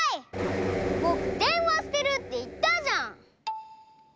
ぼくでんわしてるっていったじゃん！